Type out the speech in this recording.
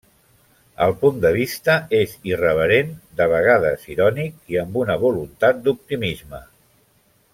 El punt de vista és irreverent, de vegades irònic i amb una voluntat d'optimisme.